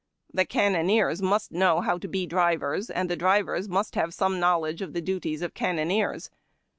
The cannoneers must know how to be drivers, and the drivers must have some knowledge of the duties of cannoneers.